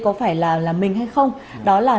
có phải là mình hay không đó là